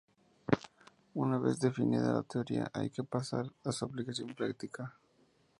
Una vez definida la teoría, hay que pasar a su aplicación práctica.